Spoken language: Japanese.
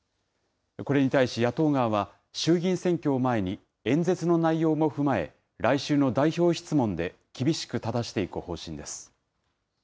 これに対し野党側は、衆議院選挙を前に、演説の内容も踏まえ、来週の代表質問で厳しくただしていく方針です。